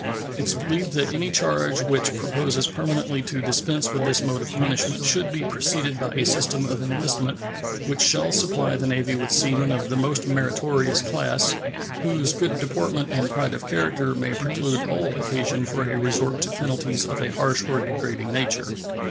It is believed that any change which proposes permanently to dispense with this mode of punishment should be preceded by a system of enlistment which shall supply the Navy with seamen of the most meritorious class, whose good deportment and pride of character may preclude all occasion for a resort to penalties of a harsh or degrading nature.